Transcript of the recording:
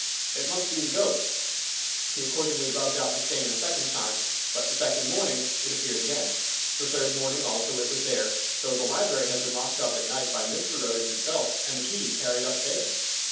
It must be the ghost." He accordingly rubbed out the stain a second time, but the second morning it appeared again. The third morning also it was there, though the library had been locked up at night by Mr. Otis himself, and the key carried up stairs.